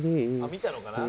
「見たのかな？」